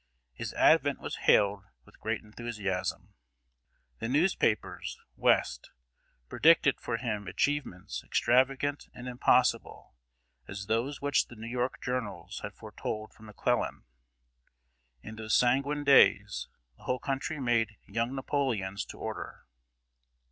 His advent was hailed with great enthusiasm. The newspapers, West, predicted for him achievements extravagant and impossible as those which the New York journals had foretold for McClellan. In those sanguine days, the whole country made "Young Napoleons" to order.